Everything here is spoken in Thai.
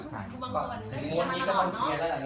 ค่ะก็อยากเป็นกำลังใจให้สู้เราตลอดไปนะคะ